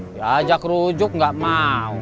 diajak rujuk gak mau